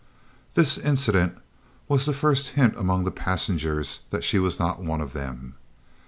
This incident was the first hint among the passengers that she was not one of them.